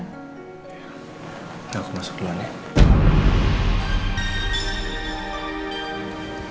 gak kemasuk duluan ya